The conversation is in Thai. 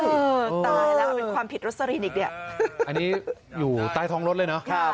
ตายแล้วเป็นความผิดรสสรีนอีกเนี่ยอันนี้อยู่ใต้ท้องรถเลยเนอะ